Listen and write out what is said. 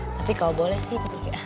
tapi kalau boleh sih tiga